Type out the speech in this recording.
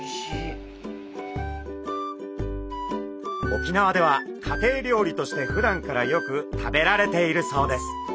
沖縄では家庭料理としてふだんからよく食べられているそうです。